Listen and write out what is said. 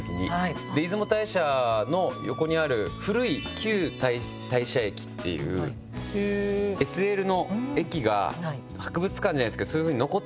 出雲大社の横にある古い旧大社駅っていうＳＬの駅が博物館じゃないですけどそういうふうに残ってるんですよ。